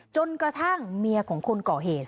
จนกระทั่งเมียของคนก่อเหตุ